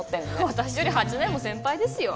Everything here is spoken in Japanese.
私より８年も先輩ですよ